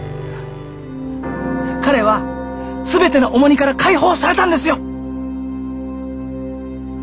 彼は全ての重荷から解放されたんですよ！